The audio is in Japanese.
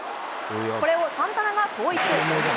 これをサンタナが後逸。